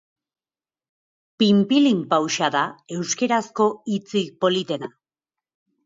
Pinpilinpauxa da euskerazko hitzik politena.